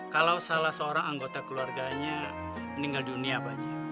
kalau salah seorang anggota keluarganya meninggal dunia pak haji